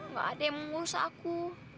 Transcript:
nggak ada yang mau ngurus aku